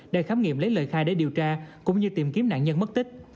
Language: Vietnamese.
để khám nghiệm lấy lời khai để điều tra cũng như tìm kiếm nạn nhân mất tích